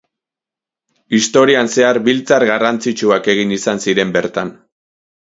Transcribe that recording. Historian zehar biltzar garrantzitsuak egin izan ziren bertan.